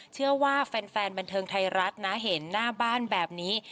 เชื่อว่าแฟนบันเทิงไทยรัฐนะเห็นหน้าบ้านแบบนี้